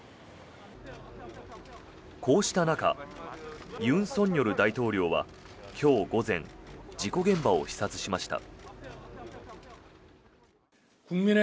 こうした中、尹錫悦大統領は今日午前事故現場を視察しました。